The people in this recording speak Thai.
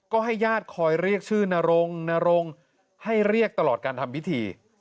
ก็ให้ญาติคอยเรียกชื่อนรงนรงให้เรียกตลอดการทำพิธี